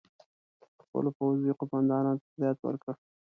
خپلو پوځي قوماندانانو ته هدایت ورکړ.